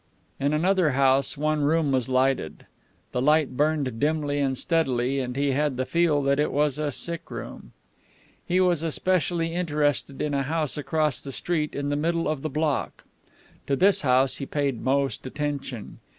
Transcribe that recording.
In another house one room was lighted. The light burned dimly and steadily, and he had the feel that it was a sick room. He was especially interested in a house across the street in the middle of the block. To this house he paid most attention.